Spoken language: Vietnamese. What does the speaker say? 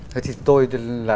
thế thì tôi là